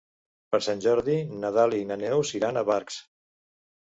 Per Sant Jordi na Dàlia i na Neus iran a Barx.